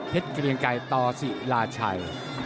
เพชรเกรียงไก่ต่อสิราชัย